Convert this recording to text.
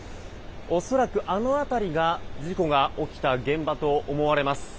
恐らく、あの辺りが事故が起きた現場と思われます。